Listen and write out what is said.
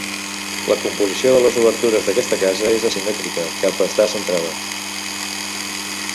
La composició de les obertures d'aquesta casa és asimètrica, cap està centrada.